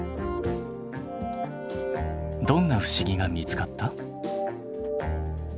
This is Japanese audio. どんな不思議が見つかった？